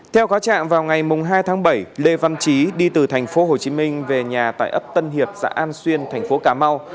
theo khóa trạng vào ngày hai tháng bảy lê văn trí đi từ thành phố hồ chí minh về nhà tại ấp tân hiệp xã an xuyên thành phố cà mau